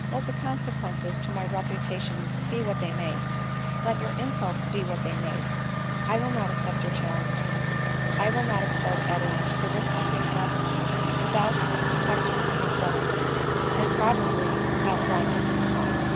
Let the consequences to my reputation be what they may, let your insults be what they may, I will not accept your challenge; 1 will not expose Adeline to the risk of being left without a pro ADELINE MOWBRAY. 97 teclor in a foreign land, and probably without one in her own.